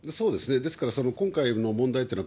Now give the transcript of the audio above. ですから、その今回の問題というのは、